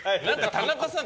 田中さん